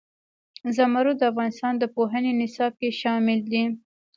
زمرد د افغانستان د پوهنې نصاب کې شامل دي.